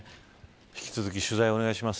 引き続き取材をお願いします。